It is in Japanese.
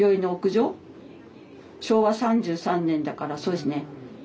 昭和３３年だからそうですね。